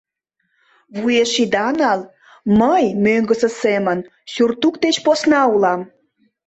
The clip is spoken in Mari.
— Вуеш ида нал, мый, мӧҥгысӧ семын, сюртук деч посна улам...